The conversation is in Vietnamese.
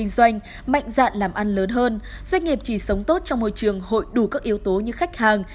doanh nghiệp chỉ sống tốt trong môi trường hội đủ các yếu tố như khách hàng